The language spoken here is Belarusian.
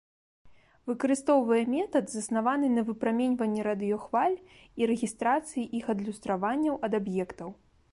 Выкарыстоўвае метад, заснаваны на выпраменьванні радыёхваль і рэгістрацыі іх адлюстраванняў ад аб'ектаў.